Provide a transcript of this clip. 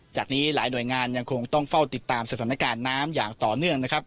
จากนี้หลายหน่วยงานยังคงต้องเฝ้าติดตามสถานการณ์น้ำอย่างต่อเนื่องนะครับ